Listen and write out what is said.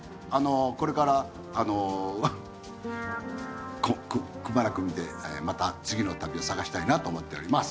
これからくまなく見てまた次の旅を探したいなと思っております。